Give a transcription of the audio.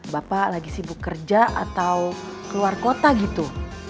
bapak lagi sibuk kerja atau keluar kota gitu